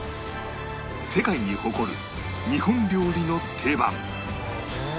世界に誇る日本料理の定番